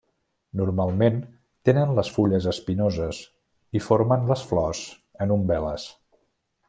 Normalment tenen les fulles espinoses i formen les flors en umbel·les.